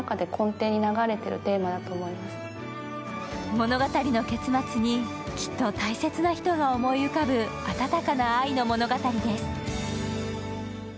物語の結末に、きっと大切な人が思い浮かぶ温かな愛の物語です。